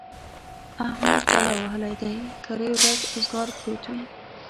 احمد بلا وهلی دی؛ کرۍ ورځ اوزګار پروت وي.